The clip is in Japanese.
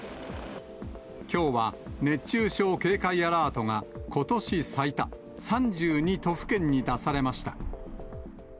きょうは熱中症警戒アラートがことし最多、３２都府県に出されました。